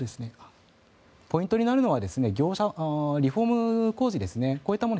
ポイントになるのはリフォーム工事ですねこういったもの